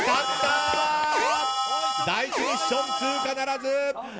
第１ミッション通過ならず！